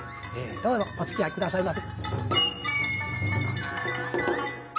どうぞおつきあい下さいませ。